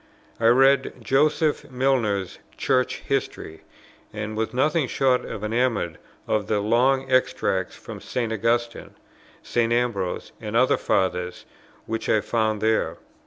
I read Joseph Milner's Church History, and was nothing short of enamoured of the long extracts from St. Augustine, St. Ambrose, and the other Fathers which I found there.